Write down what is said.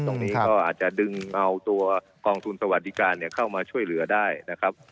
ตรงนี้ก็อาจจะดึงเอาตัวกองทุนสวัสดิการเข้ามาช่วยเหลือได้นะครับ